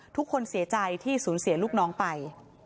ทุกคนเสียใจที่สูญเสียลูกน้องไป